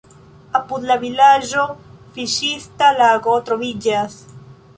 Apud la vilaĝo fiŝista lago troviĝas.